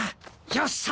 よっしゃ！